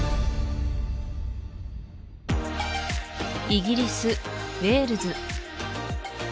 イギリスウェールズ